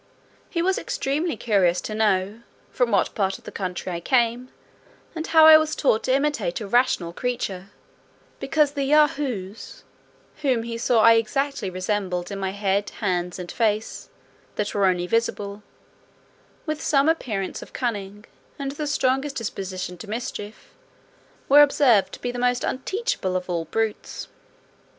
He was extremely curious to know "from what part of the country I came, and how I was taught to imitate a rational creature; because the Yahoos (whom he saw I exactly resembled in my head, hands, and face, that were only visible), with some appearance of cunning, and the strongest disposition to mischief, were observed to be the most unteachable of all brutes."